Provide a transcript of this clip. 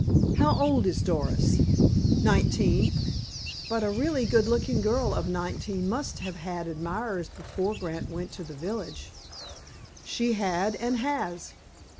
"How old is Doris?" "Nineteen." "But a really good looking girl of nineteen must have had admirers before Grant went to the village." "She had, and has.